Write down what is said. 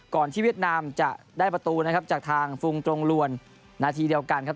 ที่เวียดนามจะได้ประตูนะครับจากทางฟุงตรงลวนนาทีเดียวกันครับ